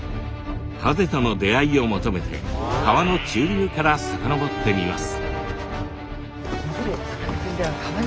ハゼとの出会いを求めて川の中流から遡ってみます。